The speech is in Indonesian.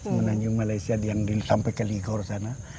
menanjung malaysia yang sampai ke ligor sana